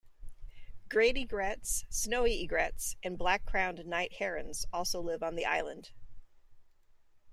Great egrets, snowy egrets, and black-crowned night herons also live on the island.